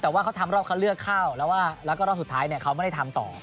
แต่ว่าเขาทำรอบเขาเลือกเข้าแล้วก็รอบสุดท้ายเนี่ยเขาไม่ได้ทำต่อ